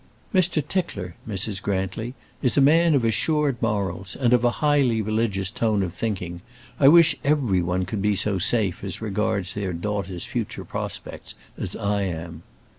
"Mr. Tickler, Mrs. Grantly, is a man of assured morals and of a highly religious tone of thinking. I wish every one could be so safe as regards their daughters' future prospects as I am."